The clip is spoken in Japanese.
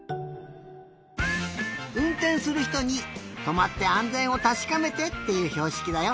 うんてんするひとにとまってあんぜんをたしかめてっていうひょうしきだよ。